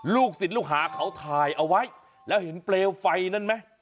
ลูกศิษย์ลูกหาเขาถ่ายเอาไว้แล้วเห็นเปลวไฟนั้นไหม